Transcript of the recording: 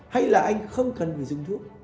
hay là anh không cần phải dùng thuốc